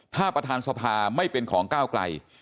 ถ้าประธานสภาไม่เป็นของก้าวไกล